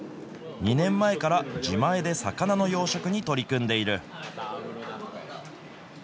２年前から自前で魚の養殖に取り組んでいる。